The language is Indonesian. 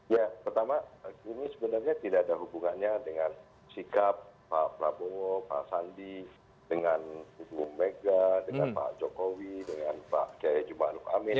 ya pertama ini sebenarnya tidak ada hubungannya dengan sikap pak prabowo pak sandi dengan ibu mega dengan pak jokowi dengan pak jaya jumanuk